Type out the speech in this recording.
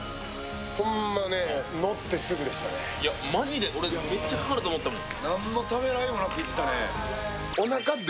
マジで俺、めっちゃかかると思ったもん。